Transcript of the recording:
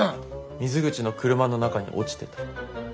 水口の車の中に落ちてた。